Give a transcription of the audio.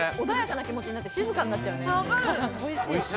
穏やかな気持ちになって、静かになっちゃうね。